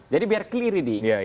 jadi biar clear ini